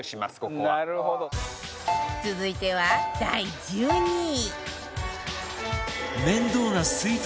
続いては第１２位